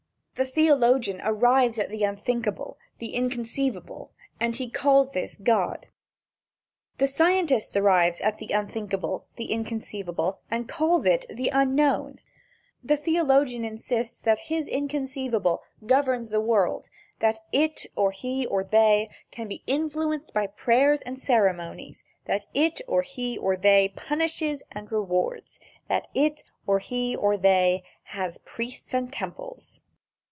The theologian arrives at the unthinkable, the inconceivable, and he calls this God. The scientist arrives at the unthinkable, the inconceivable, and calls it the Unknown. The theologian insists that his inconceivable governs the world, that it, or he, or they, can be influenced by prayers and ceremonies, that it, or he, or they, punishes and rewards, that it, or he, or they, has priests and temples.